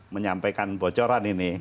menyampaikan bocoran ini